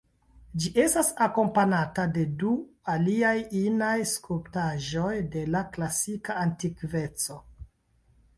Ĝi estas akompanata de du aliaj inaj skulptaĵoj de la klasika antikveco.